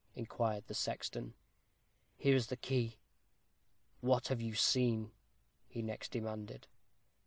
inquired the sexton. "Here is the key." "What have you seen?" he next demanded.